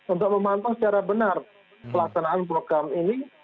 untuk memantau secara benar pelaksanaan program ini